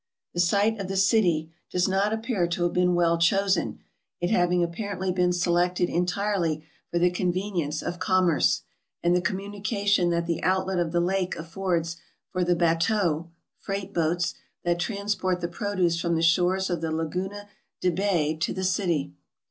The site of the city does not appear to have been 393 394 TRAVELERS AND EXPLORERS well chosen, it having apparently been selected entirely for the convenience of commerce, and the communication that the outlet of the lake affords for the bateaux (freight boats) that transport the produce from the shores of the Laguna de Bay to the city.